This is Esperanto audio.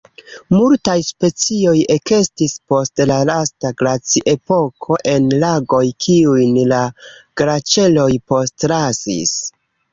Multaj specioj ekestis post la lasta glaciepoko en lagoj kiujn la glaĉeroj postlasis.